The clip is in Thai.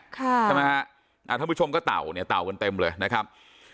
ท่านผู้ชมก็เต่ากันเต่ากันเต็มเลยนะครับ